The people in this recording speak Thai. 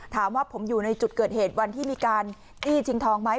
ถามว่าผมอยู่ในจุดเกิดเหตุวันที่มีการจี้ชิงทองไหม